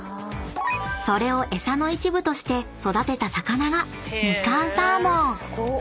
［それをエサの一部として育てた魚がみかんサーモン］